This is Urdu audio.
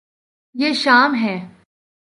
یے شام ہے